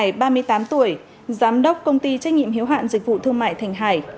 nguyễn thị hải ba mươi tám tuổi giám đốc công ty trách nhiệm hiếu hạn dịch vụ thương mại thành hải